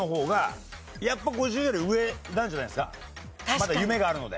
まだ夢があるので。